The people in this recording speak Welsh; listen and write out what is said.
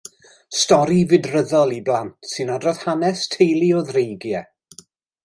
Stori fydryddol i blant sy'n adrodd hanes teulu o ddreigiau.